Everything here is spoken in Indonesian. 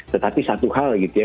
tetapi satu hal gitu ya